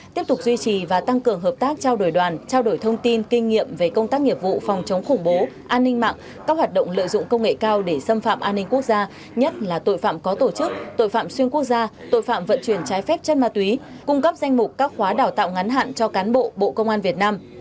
tiếp tục duy trì và tăng cường hợp tác trao đổi đoàn trao đổi thông tin kinh nghiệm về công tác nghiệp vụ phòng chống khủng bố an ninh mạng các hoạt động lợi dụng công nghệ cao để xâm phạm an ninh quốc gia nhất là tội phạm có tổ chức tội phạm xuyên quốc gia tội phạm vận chuyển trái phép chân ma túy cung cấp danh mục các khóa đào tạo ngắn hạn cho cán bộ bộ công an việt nam